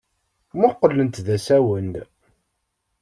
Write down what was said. Mmuqqlent d asawen.